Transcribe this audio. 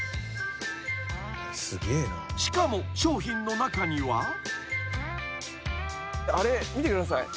［しかも商品の中には］あれ見てください。